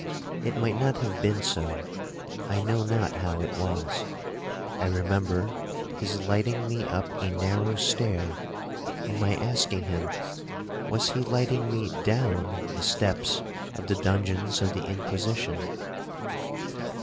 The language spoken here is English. It might not have been so,—I know not how it was. I remember his lighting me up a narrow stair, and my asking him, was he lighting me down the steps of the dungeons of the Inquisition?